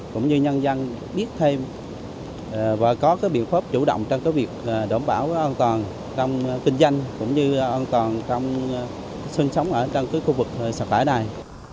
cũng như nhân dân biết thêm và có cái biện pháp chủ động trong cái việc đổ bảo an toàn trong kinh doanh cũng như an toàn trong sân sống ở trong cái khu vực sạt lở này